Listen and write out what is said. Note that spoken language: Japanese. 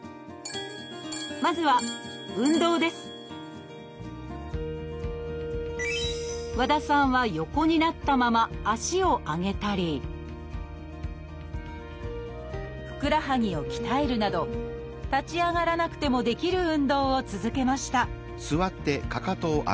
まずは和田さんは横になったまま足を上げたりふくらはぎを鍛えるなど立ち上がらなくてもできる運動を続けました